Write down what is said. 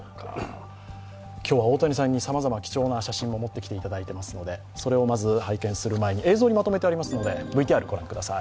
今日は大谷さんにさまざまな貴重な写真も持ってきていただいておりますので、それを拝見する前に映像にまとめてありますので御覧ください。